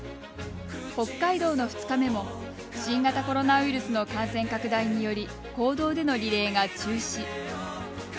北海道の２日目も新型コロナウイルスの感染拡大により公道でのリレーが中止。